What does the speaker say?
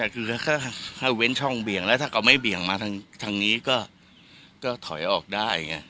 คือถ้าเว้นช่องเบี่ยงแล้วถ้าเขาไม่เบี่ยงมาทางนี้ก็ถอยออกได้ไง